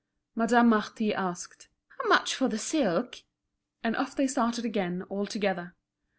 Madame Marty asked: "How much for the silk?" And off they started again, all together.